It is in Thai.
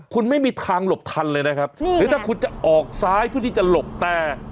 คุณไม่มีทางหลบทันเลยนะครับหรือถ้าคุณจะออกซ้ายเพื่อที่จะหลบแต่